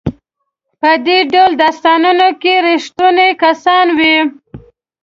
په دې ډول داستانونو کې ریښتوني کسان وي.